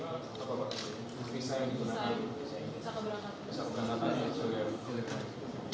bisa yang bisa berangkat aja